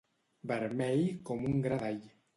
Vermell com un gra d'all.